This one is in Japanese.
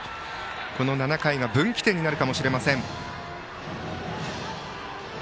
この７回が分岐点になるかもしれません。